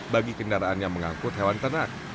bagi kendaraan yang mengangkut hewan ternak